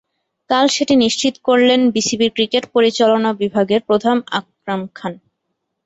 কাল সেটি নিশ্চিত করলেন বিসিবির ক্রিকেট পরিচালনা বিভাগের প্রধান আকরাম খান।